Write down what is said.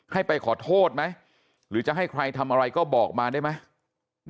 ให้ไปขอโทษไหมหรือจะให้ใครทำอะไรก็บอกมาได้ไหม